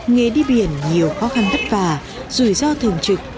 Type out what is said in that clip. nghề đi biển nhiều khó khăn vất vả rủi ro thường trực